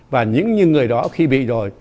và những người đó khi bị rồi